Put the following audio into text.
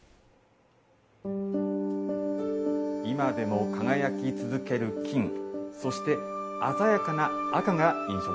今でも輝き続ける金そして鮮やかな赤が印象的です。